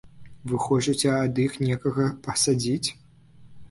Вы хочаце ад іх некага пасадзіць?